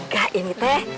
gak ini teh